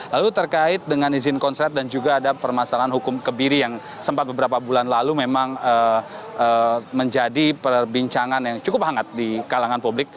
lalu terkait dengan izin konsert dan juga ada permasalahan hukum kebiri yang sempat beberapa bulan lalu memang menjadi perbincangan yang cukup hangat di kalangan publik